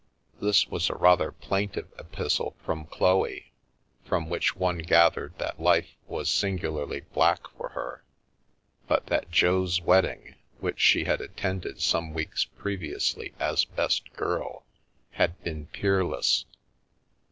This was a rather plaintive epistle from Chloe, from which one gathered that life was singularly black for her, but that Jo's wedding, which she had attended some weeks previously as best girl, had been " peerless."